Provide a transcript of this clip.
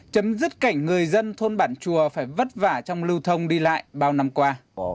chấm dứt cảnh người dân thôn bản chùa phải vất vả trong lưu thông đi lại bao năm qua